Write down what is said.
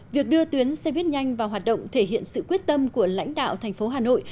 việc đưa tuyến xe buýt nhanh vào hoạt động thể hiện sự quyết tâm của lãnh đạo thành phố hà nội